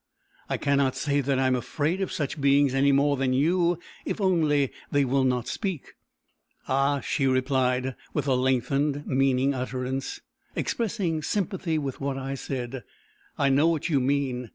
"I cannot say that I am afraid of such beings any more than you if only they will not speak." "Ah!" she replied, with a lengthened, meaning utterance, expressing sympathy with what I said; "I know what you mean.